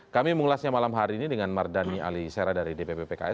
kami mengulasnya malam hari ini dengan mardhani alisera dari dpp pks